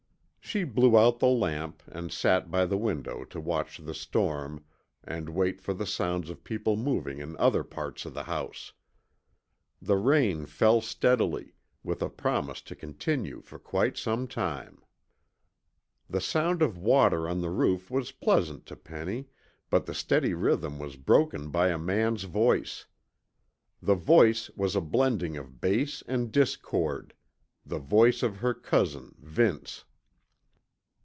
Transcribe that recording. She blew out the lamp, and sat by the window to watch the storm and wait for the sounds of people moving in other parts of the house. The rain fell steadily, with a promise to continue for quite some time. The sound of water on the roof was pleasant to Penny, but the steady rhythm was broken by a man's voice. The voice was a blending of bass and discord, the voice of her cousin, Vince.